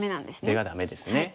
出がダメですね。